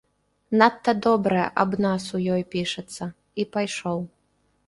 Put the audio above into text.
Надта добрае аб нас у ёй пішацца, і пайшоў.